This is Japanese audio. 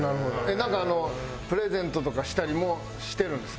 えっなんかあのプレゼントとかしたりもしてるんですか？